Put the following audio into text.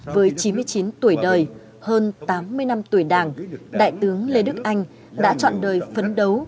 với chín mươi chín tuổi đời hơn tám mươi năm tuổi đảng đại tướng lê đức anh đã chọn đời phấn đấu